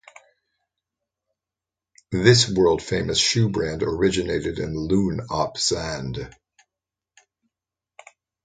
This world-famous shoe brand originated in Loon op Zand.